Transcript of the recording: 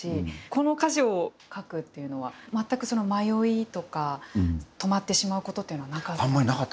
この歌詞を書くっていうのは全くその迷いとか止まってしまうことというのはなかったですか。